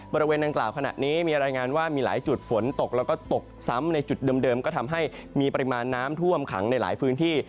บริเวณดังกล่าวขณะนี้มีรายงานว่ามีหลายจุดฝนตกแล้วก็ตกซ้ำในจุดเดิมก็ทำให้มีปริมาณน้ำท่วมขังในหลายพื้นที่